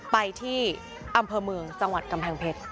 ไปที่อำเภอเมืองจังหวัดกำแพงเพชร